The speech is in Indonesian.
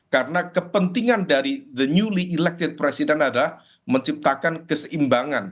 karena kepentingan dari the newly elected president adalah menciptakan keseimbangan